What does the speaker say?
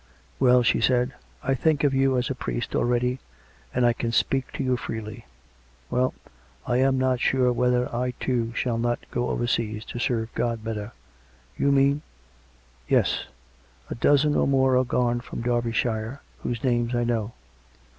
" Well," she said, " I think of you as a priest already, and I can speak to you freely. ... Well, I am not sure whether I, too, shall not go overseas, to serve God better." " You mean "" Yes. A dozen or more are gone from Derbyshire, whose names I know.